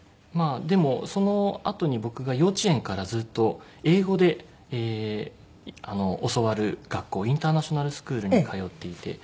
でもそのあとに僕が幼稚園からずっと英語で教わる学校インターナショナルスクールに通っていて。